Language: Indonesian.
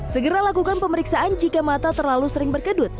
segera lakukan pemeriksaan jika mata terlalu sering berkedut